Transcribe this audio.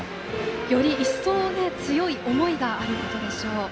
より一層強い思いがあることでしょう。